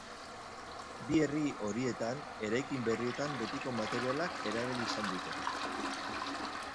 Bi herri horietan eraikin berrietan betiko materialak erabili izan dute.